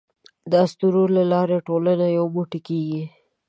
د اسطورو له لارې ټولنه یو موټی کېږي.